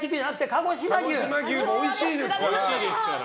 鹿児島牛もおいしいですから。